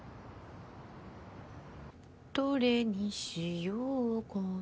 どれにしようかなぁ。